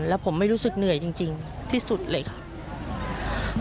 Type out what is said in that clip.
แล้วผมไม่รู้สึกเหนื่อยจริงที่สุดเลยครับ